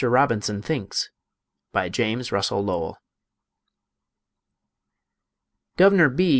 ROBINSON THINKS BY JAMES RUSSELL LOWELL Guvener B.